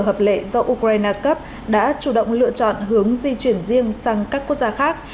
hợp lệ do ukraine cấp đã chủ động lựa chọn hướng di chuyển riêng sang các quốc gia khác